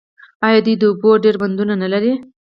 آیا دوی د اوبو ډیر بندونه نلري؟